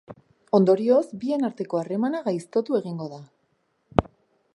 Ondorioz, bien arteko harremana gaiztotu egingo da.